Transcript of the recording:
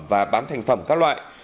và bán thành phẩm các loại